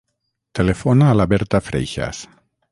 Telefona a la Berta Freixas.